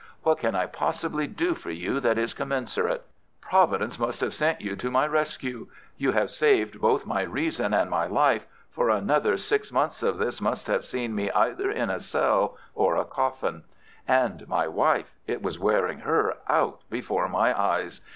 What can I possibly do for you that is commensurate? Providence must have sent you to my rescue. You have saved both my reason and my life, for another six months of this must have seen me either in a cell or a coffin. And my wife—it was wearing her out before my eyes.